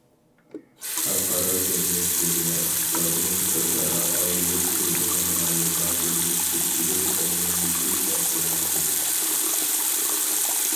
خەلقئارا جەمئىيەت دۇنيا ئىقتىسادىنىڭ ئۆزئارا ئايرىلىپ تۇرىدىغان رايونغا بۆلۈنۈپ كېتىشىدىن ئومۇميۈزلۈك ئەنسىرەۋاتىدۇ.